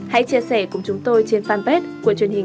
hãy chia sẻ cùng chúng tôi trên fanpage của truyền hình công an nhân dân